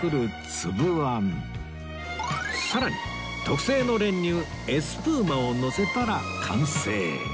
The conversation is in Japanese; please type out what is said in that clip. さらに特製の練乳エスプーマをのせたら完成